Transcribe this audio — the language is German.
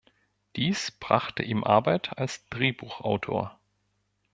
Dies brachte ihm Arbeit als Drehbuchautor.